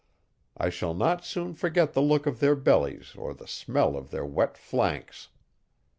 I shall not soon forget the look of their bellies or the smell of their wet flanks.